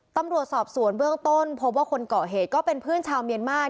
ตำรวจสอบสวนเบื้องต้นพบว่าคนเกาะเหตุก็เป็นเพื่อนชาวเมียนมาส